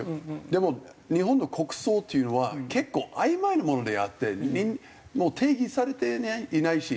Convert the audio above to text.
でも日本の国葬っていうのは結構曖昧なものであって定義されていないし。